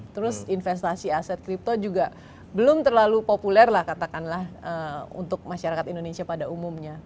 terus investasi aset kripto juga belum terlalu populer lah katakanlah untuk masyarakat indonesia pada umumnya